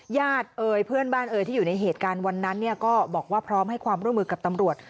เอ่ยเพื่อนบ้านเอ่ยที่อยู่ในเหตุการณ์วันนั้นเนี่ยก็บอกว่าพร้อมให้ความร่วมมือกับตำรวจ